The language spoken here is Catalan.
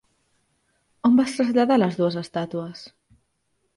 On van traslladar les dues estàtues?